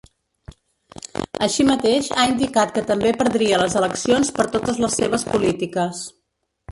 Així mateix, ha indicat que també perdria les eleccions per totes les seves polítiques.